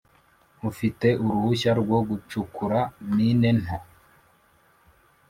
ufite uruhushya rwo gucukura mine nto?